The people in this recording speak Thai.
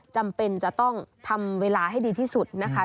จำเป็นจะต้องทำเวลาให้ดีที่สุดนะคะ